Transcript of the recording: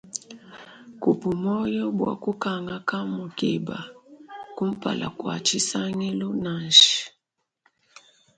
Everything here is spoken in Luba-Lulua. Kuhi moyo bua kukanga kaamu keba kumpala kua tshisangilu nansha.